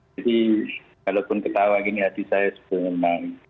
jadi kalaupun ketawa gini hati saya sudah nangis